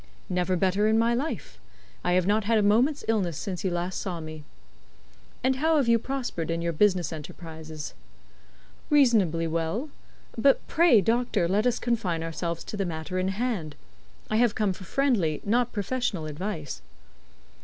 "Never better in my life. I have not had a moment's illness since you last saw me." "And how have you prospered in your business enterprises?" "Reasonably well; but pray doctor, let us confine ourselves to the matter in hand. I have come for friendly, not professional, advice."